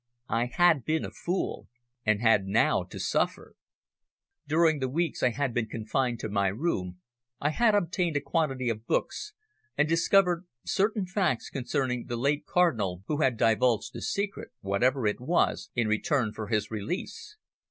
I had been a fool, and had now to suffer. During the weeks I had been confined to my room I had obtained a quantity of books, and discovered certain facts concerning the late Cardinal who had divulged the secret whatever it was in return for his release.